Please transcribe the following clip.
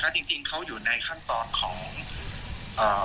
จริงเขาอยู่ในขั้นตอนของพิจารณาของเขานะ